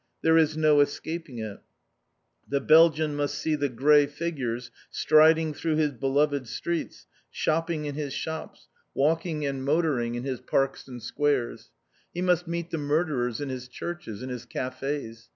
There is no escaping it. The Belgian must see the grey figures striding through his beloved streets, shopping in his shops, walking and motoring in his parks and squares. He must meet the murderers in his churches, in his cafés.